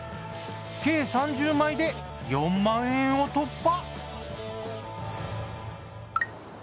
計３０枚で４万円を突破。